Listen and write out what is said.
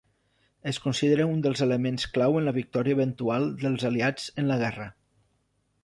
Es considera un dels elements clau en la victòria eventual dels Aliats en la guerra.